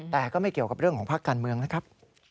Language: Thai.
แต่ก็ไม่เกี่ยวกับเรื่องของภาคการเมืองนะครับ